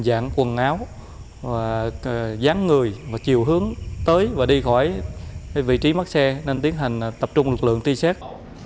dạng quần áo dán người và chiều hướng tới và đi khỏi vị trí mất xe nên tiến hành tập trung lực lượng ti xét